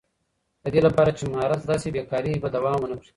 د دې لپاره چې مهارت زده شي، بېکاري به دوام ونه کړي.